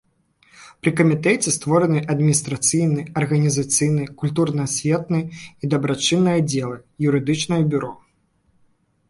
Пры камітэце створаны адміністрацыйны, арганізацыйны, культурна-асветны і дабрачынны аддзелы, юрыдычнае бюро.